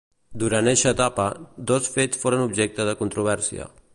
Durant eixa etapa, dos fets foren objecte de controvèrsia.